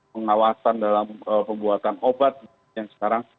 pengawasan dalam pembuatan obat yang sekarang